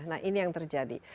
nah ini yang terjadi